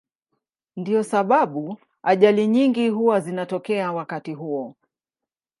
Ndiyo sababu ajali nyingi huwa zinatokea wakati huo.